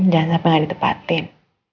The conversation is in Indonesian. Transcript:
jangan sampai gak ditepatin